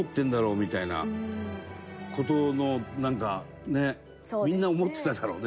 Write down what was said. みたいな事のなんかねみんな思ってたんだろうね